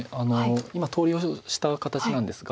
今投了した形なんですが。